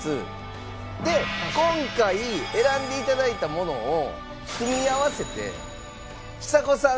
で今回選んで頂いたものを組み合わせてちさ子さん